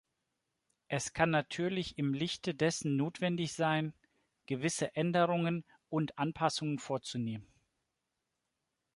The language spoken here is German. Es kann natürlich im Lichte dessen notwendig sein, gewisse Änderungen und Anpassungen vorzunehmen.